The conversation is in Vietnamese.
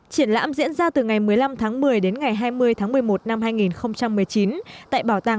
triển lãm diễn ra từ ngày một mươi năm tháng một mươi đến ngày hai mươi tháng một mươi một năm hai nghìn một mươi chín